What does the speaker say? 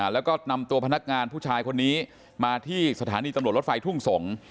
แล้วก็นำตัวพนักงานผู้ชายคนนี้มาที่สถานีตำรวจรถไฟทุ่งสงศ์